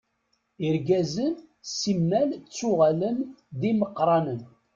Irgazen simmal ttuɣalen d imeqqṛanen.